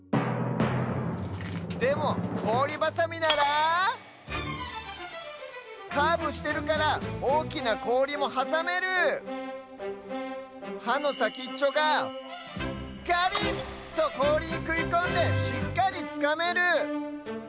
でもこおりバサミならカーブしてるからおおきなこおりもはさめる！はのさきっちょがガリッ！とこおりにくいこんでしっかりつかめる！